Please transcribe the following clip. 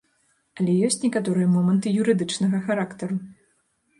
Але ёсць некаторыя моманты юрыдычнага характару.